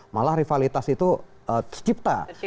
malah rivalitas itu tercipta